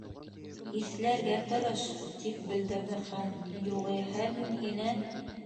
—Иҫләргә тырыш, —тип белдерҙе Хан, —юғиһә, мин һине